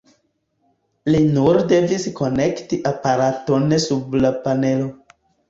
Li nur devis konekti aparaton sub la panelo.